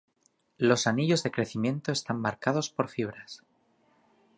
Los anillos de crecimiento están marcados por fibras.